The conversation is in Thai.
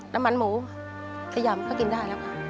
น้ำมันหมูขยำก็กินได้แล้วค่ะ